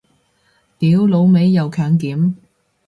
屌老味又強檢